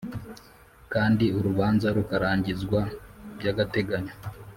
Kandi urubanza rukarangizwa by agateganyo